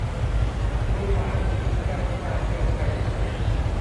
คุณหมายถึงแทบไม่น่าเชื่อใช่หรือไม่